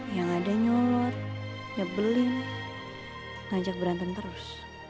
yang ada nyolot nyebelin ngajak berantem terus